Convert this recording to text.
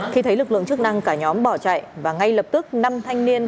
khi thấy lực lượng chức năng cả nhóm bỏ chạy và ngay lập tức năm thanh niên